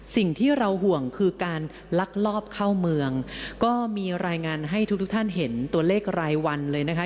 สิ่งที่เราห่วงคือการลักลอบเข้าเมืองก็มีรายงานให้ทุกทุกท่านเห็นตัวเลขรายวันเลยนะคะ